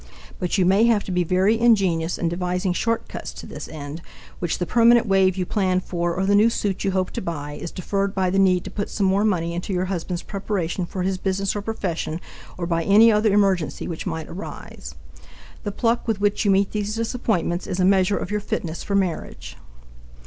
But you may have to be very ingenious in devising short cuts to this end when the permanent wave you planned for or the new suit you hoped to buy is deferred by the need to put some more money into your husband's preparation for his business or profession or by any other emergency which might arise. The pluck with which you meet these disappointments is a measure of your fitness for marriage.